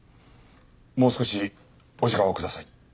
もう少しお時間をください。